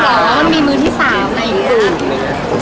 มันไม่มีมือที่สามอะไรอย่างนี้คะ